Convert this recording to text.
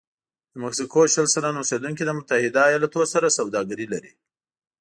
د مکسیکو شل سلنه اوسېدونکي له متحده ایالتونو سره سوداګري لري.